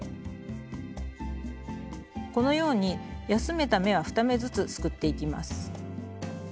このように休めた目は２目ずつすくっていきます。